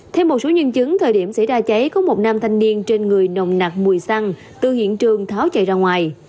thêm một số nhân chứng thời điểm xảy ra cháy có một nam thanh niên trên người nồng nặc mùi xăng từ hiện trường tháo chạy ra ngoài